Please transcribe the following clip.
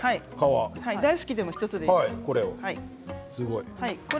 大好きでも、１ついいです。